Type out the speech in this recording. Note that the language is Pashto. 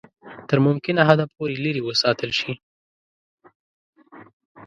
تر ممکنه حده پوري لیري وساتل شي.